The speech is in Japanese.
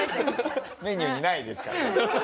メニューにないですから。